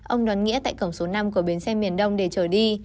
ông đón nghĩa tại cổng số năm của biến xe miền đông để trở đi